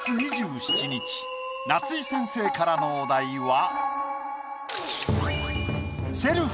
夏井先生からのお題は。